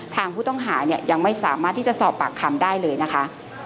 ทางผู้ต้องหาเนี่ยยังไม่สามารถที่จะสอบปากคำได้เลยนะคะ